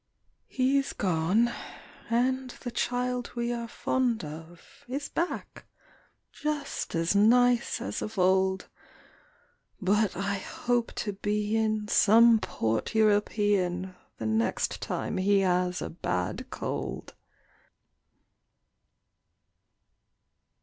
He's gone, and the child we are fond of Is back, just as nice as of old. But I hope to be in some port European The next time he has a bad cold.